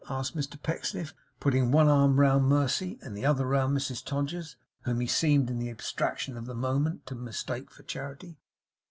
asked Mr Pecksniff, putting one arm round Mercy, and the other round Mrs Todgers, whom he seemed, in the abstraction of the moment, to mistake for Charity.